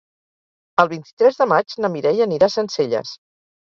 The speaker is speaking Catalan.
El vint-i-tres de maig na Mireia anirà a Sencelles.